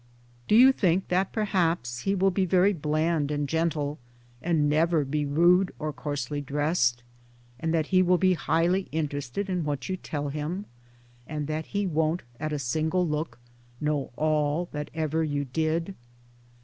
Do you think that perhaps he will be very bland and gentle, and never be rude or coarsely dressed, and that he will be highly interested in what you tell him, and that he won't at a single look know all that ever you did?